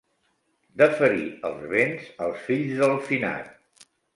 Deferir els béns als fills del finat.